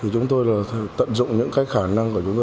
chúng tôi tận dụng những khả năng